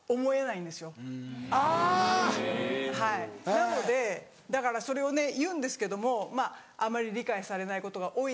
なのでだからそれをね言うんですけどもあまり理解されないことが多い。